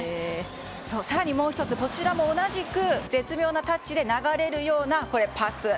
更にもう１つ、同じく絶妙なタッチで流れるようなパス。